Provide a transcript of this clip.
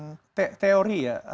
karena kan teori ya